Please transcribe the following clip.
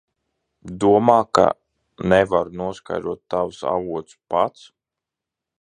Domā, ka nevaru noskaidrot tavus avotus pats?